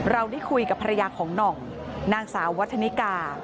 เราได้คุยกับภรรยาของหน่องนางสาววัฒนิกา